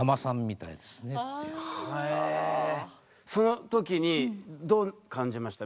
そのときにどう感じました？